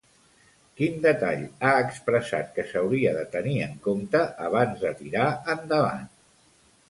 Quin detall ha expressat que s'hauria de tenir en compte abans de tirar endavant?